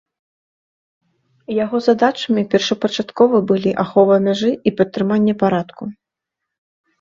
Яго задачамі першапачаткова былі ахова мяжы і падтрыманне парадку.